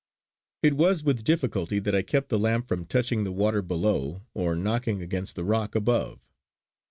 It was with difficulty that I kept the lamp from touching the water below or knocking against the rock above.